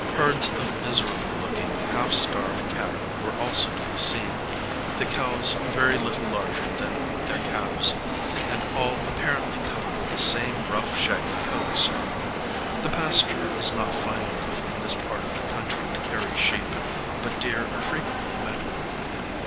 Herds of miserable looking, half starved cattle were also to be seen, the cows very little larger than their calves, and all apparently covered with the same rough shaggy coats. The pasture is not fine enough in this part of the country to carry sheep, but deer are frequently met with.